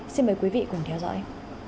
xin mời quý vị cùng theo dõi